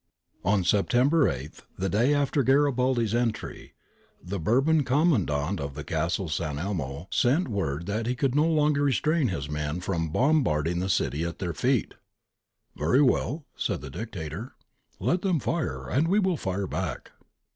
On September 8, the day after Garibaldi's entry, the Bourbon commandant of the castle of S. Elmo sent word that he could no longer restrain his men from bombarding the city at their feet. 'Very well,| said the Dictator, 'let them fire, and we will fire back.'